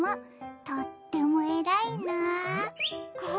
とっても偉いな。